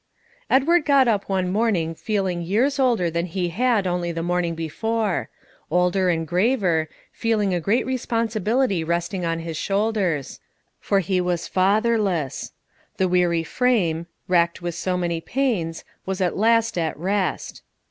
Edward got up one morning feeling years older than he had only the morning before, older and graver, feeling a great responsibility resting on his shoulders; for he was The weary frame, racked with so many pains, was at last at rest.